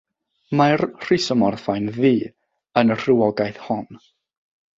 Mae'r rhisomorffau'n ddu yn y rhywogaeth hon.